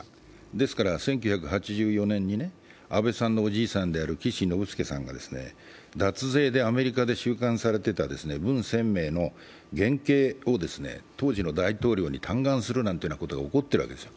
ですから１９８４年に安倍さんのおじいさんである岸信介さんが脱税でアメリカで収監されていた文鮮明の減刑を当時の大統領に嘆願するなんてことが起こってるわけですよ。